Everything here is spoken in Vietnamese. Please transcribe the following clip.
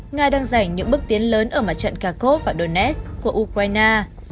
nga đang giành những bước tiến lớn ở mặt trận kharkov và donetsk của ukraine